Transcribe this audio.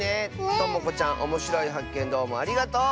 ともこちゃんおもしろいはっけんどうもありがとう！